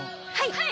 はい！